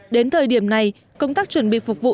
đến thời điểm này công tác chuẩn bị phục vụ